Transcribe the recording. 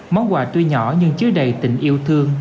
món quà tuy nhỏ nhưng chứa đầy tình yêu thương